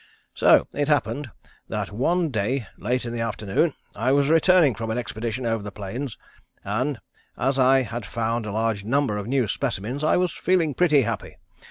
So it happened, that one day, late in the afternoon, I was returning from an expedition over the plains, and, as I had found a large number of new specimens, I was feeling pretty happy.